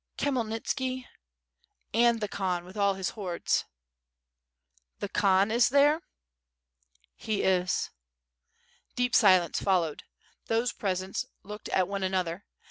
* "Khmyelnitski .... and the Khan with all his hordes." "The Khan is there?" "He is." Deep silence followed. Those present looked at one an other, .